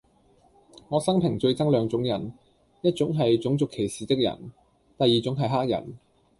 我生平最憎兩種人:一種系種族歧視的人,第二種系黑人